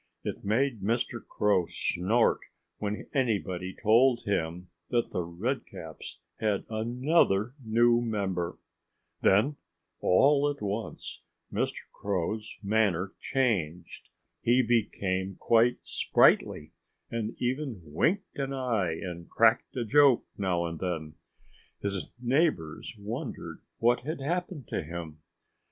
It made Mr. Crow snort when anybody told him that The Redcaps had another new member. Then all at once Mr. Crow's manner changed. He became quite sprightly and even winked an eye and cracked a joke now and then. His neighbors wondered what had happened to him.